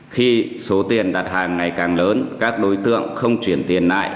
khi số tiền đặt hàng ngày càng lớn các đối tượng không chuyển tiền lại